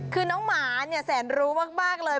คือน้องหมาเนี่ยแสนรู้มากเลย